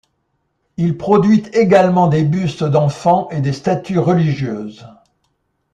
Il produit également des bustes d’enfants et des statues religieuses.